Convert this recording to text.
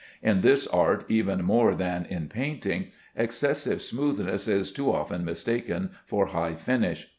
In this art, even more than in painting, excessive smoothness is too often mistaken for high finish.